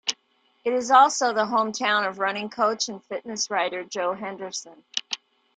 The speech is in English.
It is also the hometown of running coach and fitness writer Joe Henderson.